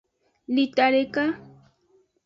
Lita deka.